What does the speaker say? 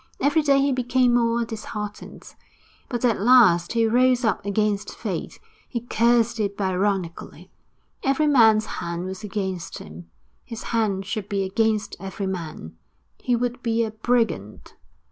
Every day he became more disheartened. But at last he rose up against Fate; he cursed it Byronically. Every man's hand was against him; his hand should be against every man. He would be a brigand!